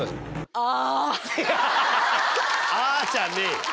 「あぁ」じゃねえよ。